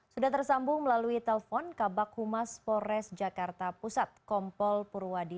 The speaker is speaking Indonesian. sudah tersambung melalui telepon kabak humas polres jakarta pusat kompol purwadi